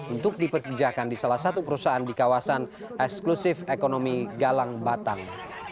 untuk diperpijakan di salah satu perusahaan di kawasan eksklusif ekonomi galang batang